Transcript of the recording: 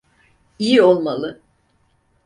İyi olmalı.